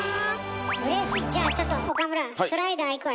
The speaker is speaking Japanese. うれしいじゃあちょっとスライダー。